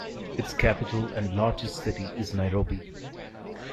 Its capital and largest city is Nairobi.